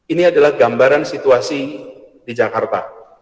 ini adalah gambaran situasi di jakarta